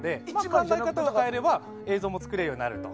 考え方を変えれば映像も作れるようになると。